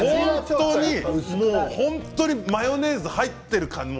本当にマヨネーズ入っている感じで。